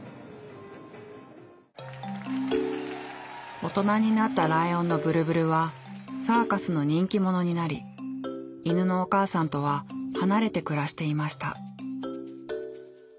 大人になったライオンのブルブルはサーカスの人気者になり犬のお母さんとは離れて暮らしていました。